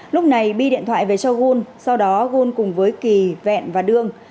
lúc này bi điện thoại về cho gun sau đó gôn cùng với kỳ vẹn và đương